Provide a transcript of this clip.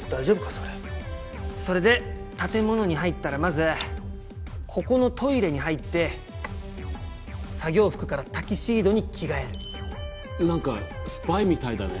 それそれで建物に入ったらまずここのトイレに入って作業服からタキシードに着替えるなんかスパイみたいだね！